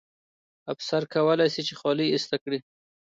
افسر کولای سي چې خولۍ ایسته کړي.